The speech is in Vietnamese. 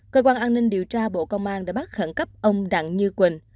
cơ quan an ninh điều tra bộ công an đã bắt khẩn cấp ông đặng như quỳnh